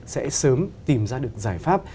sẽ sớm tìm ra được giải pháp